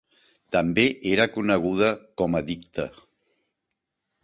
També era coneguda com a Dicte.